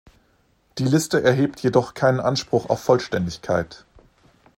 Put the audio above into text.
Die Liste erhebt jedoch keinen Anspruch auf Vollständigkeit.